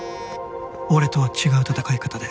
「俺とは違う戦い方で」